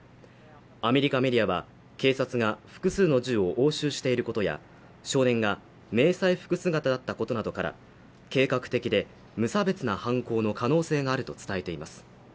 アメリカメディアは警察が複数の銃を押収している事や少年が迷彩服姿だったことなどから計画的で無差別な犯行の可能性があると伝えています